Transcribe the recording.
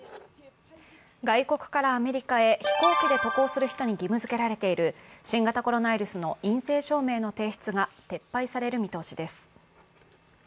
外国からアメリカへ、飛行機で渡航する人に義務づけられている新型コロナの陰性証明の提出が撤廃される見通しです。